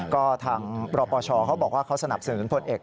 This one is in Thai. ก็ทางรปชเขาบอกว่าเขาสนับสนุนพลเอก